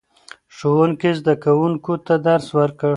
ښوونکی زده کوونکو ته درس ورکړ